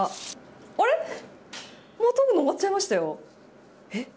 あれ、もうとぐの終わっちゃいましたよ。